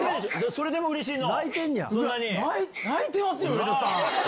それでもうれしいの？